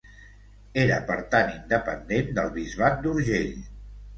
Era per tant independent del Bisbat d'Urgell.